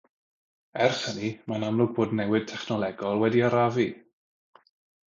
Ers hynny, mae'n amlwg bod newid technolegol wedi arafu.